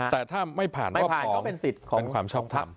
แต่ถ้าไม่ผ่านรอบ๒เป็นความชอบคำ